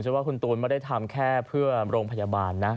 ว่าคุณตูนไม่ได้ทำแค่เพื่อโรงพยาบาลนะ